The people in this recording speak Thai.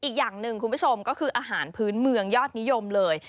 อีกอย่างหนึ่งคุณผู้ชมก็คืออาหารพื้นเมืองยอดนิยมเลย